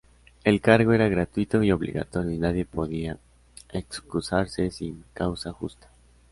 El cargo era gratuito y obligatorio, y nadie podía excusarse sin causa justa.